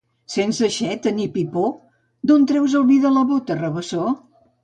Sense aixeta ni pipó, d'on treus el vi de la bota, Rabassó?